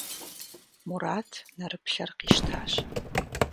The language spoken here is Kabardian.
Мурат нэрыплъэр къищтащ.